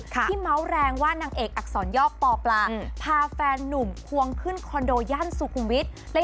เม้าแรงว่านางเอกอักษรย่อปอปลาพาแฟนนุ่มควงขึ้นคอนโดย่านสุขุมวิทย์